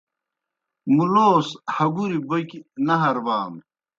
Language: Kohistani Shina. مُلوس ہگُریْ بوکیْ نہ ہربانوْ۔